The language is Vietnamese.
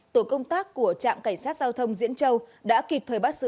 tổ công tác của trạm cảnh sát giao thông diễn châu đã kịp thời bắt giữ